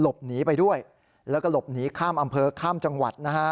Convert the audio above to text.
หนีไปด้วยแล้วก็หลบหนีข้ามอำเภอข้ามจังหวัดนะฮะ